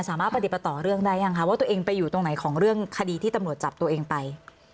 สามารถปฏิบัติต่อเรื่องได้ยังคะว่าตัวเองไปอยู่ตรงไหนของเรื่องคดีที่ตำรวจจับตัวเองไป